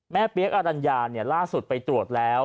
เปี๊ยกอรัญญาล่าสุดไปตรวจแล้ว